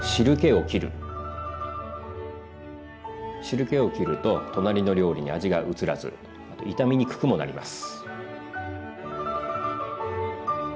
汁けをきると隣の料理に味がうつらずあと傷みにくくもなります。